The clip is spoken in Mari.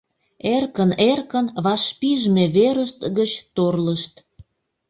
Эркын-эркын вашпижме верышт гыч торлышт.